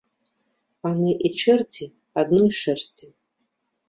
Паны і чэрці адной шэрсці